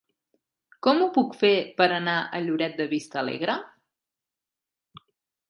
Com ho puc fer per anar a Lloret de Vistalegre?